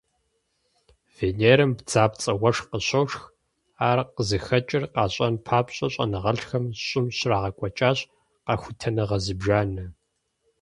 Венерэм бдзапцIэ уэшх къыщошх. Ар къызыхэкIыр къащIэн папщIэ щIэныгъэлIхэм ЩIым щрагъэкIуэкIащ къэхутэныгъэ зыбжанэ.